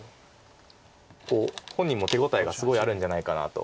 本人も手応えがすごいあるんじゃないかなと。